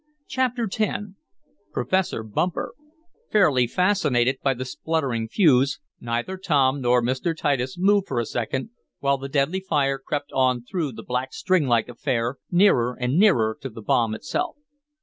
Chapter X Professor Bumper Fairly fascinated by the spluttering fuse, neither Tom nor Mr. Titus moved for a second, while the deadly fire crept on through the black string like affair, nearer and nearer to the bomb itself.